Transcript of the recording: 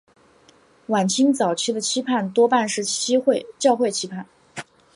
晚清早期的期刊多半是教会期刊。